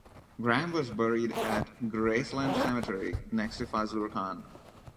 Graham was buried at Graceland Cemetery next to Fazlur Khan.